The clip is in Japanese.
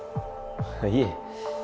いえ。